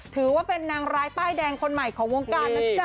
ถือว่าเป็นนางร้ายป้ายแดงคนใหม่ของวงการนะจ๊ะ